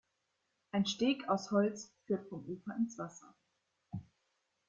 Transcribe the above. Ein Steg aus Holz führt vom Ufer ins Wasser.